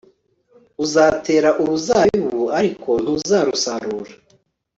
uzatera uruzabibu ariko ntuzarusarura